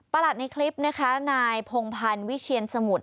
ประหลัดในคลิปนะคะนายพงภัณฑ์วิเชียรสมุทร